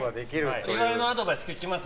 岩井のアドバイス聞きます？